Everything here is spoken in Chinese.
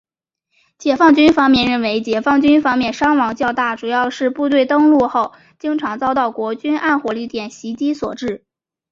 解放军方面认为解放军方面伤亡较大主要是部队登陆后经常遭到国军暗火力点袭击所致。